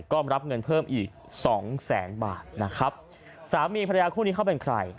ก็รับเงินเพิ่มอีกสองแสนบาทนะครับสามีภรรยาคู่นี้เขาเป็นใคร